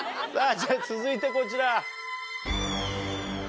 続いてこちら。